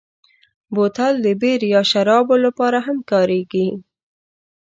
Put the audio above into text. بوتل د بیر یا شرابو لپاره هم کارېږي.